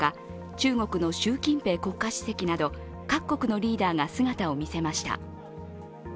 中国の習近平国家主席など各国のリーダーが姿を見せました。